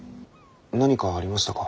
何かありましたか？